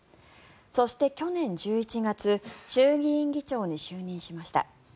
そして、去年１１月衆議院議長に就任しました。